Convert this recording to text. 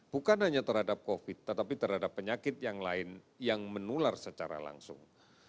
bukan hanya terhadap covid tetapi terhadap penyakit yang lain yang menular secara langsung